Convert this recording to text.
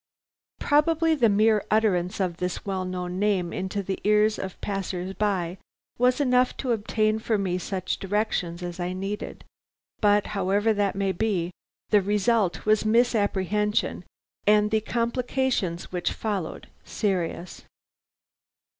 Probably the mere utterance of this well known name into the ears of the passers by was enough to obtain for me such directions as I needed, but however that may be, the result was misapprehension, and the complications which followed, serious.